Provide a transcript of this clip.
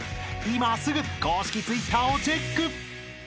［今すぐ公式Ｔｗｉｔｔｅｒをチェック］